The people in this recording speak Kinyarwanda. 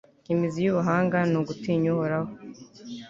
imizi y'ubuhanga ni ugutinya uhoraho